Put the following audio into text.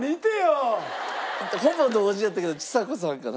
ほぼ同時やったけどちさ子さんかな。